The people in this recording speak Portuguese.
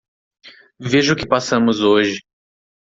Veja o que passamos hoje.